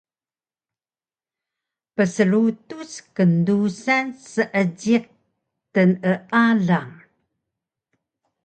pslutuc kndusan seejiq tnealang